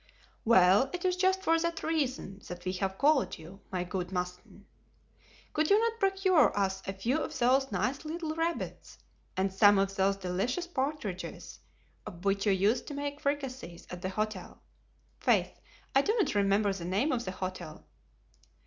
"Well, it is just for that reason that we have called you, my good M. Mouston. Could you not procure us a few of those nice little rabbits, and some of those delicious partridges, of which you used to make fricassees at the hotel——? 'Faith, I do not remember the name of the hotel."